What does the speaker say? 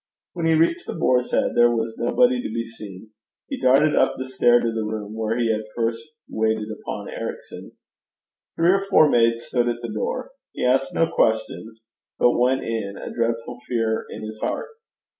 When he reached The Boar's Head there was nobody to be seen. He darted up the stair to the room where he had first waited upon Ericson. Three or four maids stood at the door. He asked no question, but went in, a dreadful fear at his heart.